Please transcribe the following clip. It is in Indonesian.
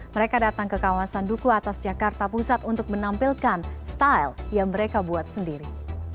mereka datang ke kawasan duku atas jakarta pusat untuk menampilkan style yang mereka buat sendiri